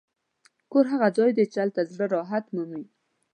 کور هغه ځای دی چې هلته زړه راحت مومي.